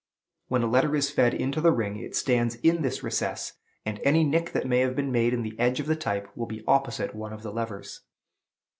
When a letter is fed into the ring, it stands in this recess, and any nick that may have been made in the edge of the type will be opposite one of the levers.